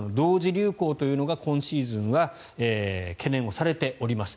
流行というのが今シーズンは懸念をされております。